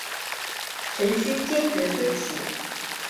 陈顼坚决推辞。